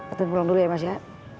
atun pulang dulu ya mas ya